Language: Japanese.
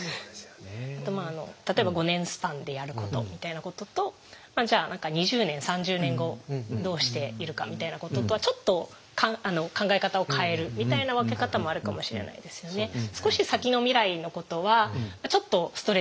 あとまあ例えば５年スパンでやることみたいなこととじゃあ何か２０年３０年後どうしているかみたいなこととはちょっと考え方を変えるみたいな分け方もあるかもしれないですよね。